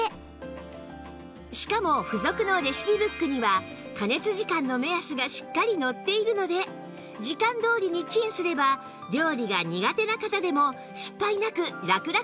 しかも付属のレシピブックには加熱時間の目安がしっかり載っているので時間どおりにチンすれば料理が苦手な方でも失敗なくラクラク作れます